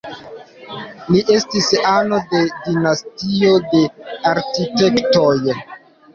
Li estis ano de dinastio de arkitektoj.